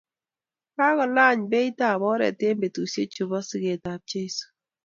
Kokolany beit ab oret eng betusiechu bo sigetab Jeiso,